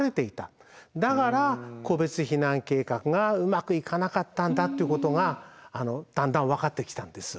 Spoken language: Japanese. だから個別避難計画がうまくいかなかったんだっていうことがだんだん分かってきたんです。